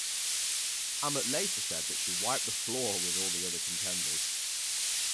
Amott later said that she wiped the floor with all the other contenders.